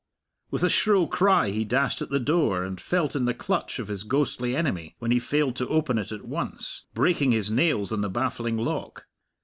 With a shrill cry he dashed at the door, and felt in the clutch of his ghostly enemy when he failed to open it at once, breaking his nails on the baffling lock.